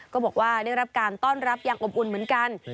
ก็บอกว่าได้รับการต้อนรับอย่างอบอุ่นเหมือนกัน